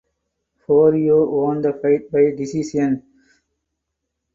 Horio won the fight by decision.